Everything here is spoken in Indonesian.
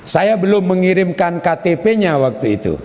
saya belum mengirimkan ktp nya waktu itu